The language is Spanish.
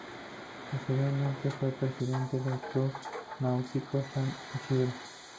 Posteriormente fue presidente del Club Náutico San Isidro.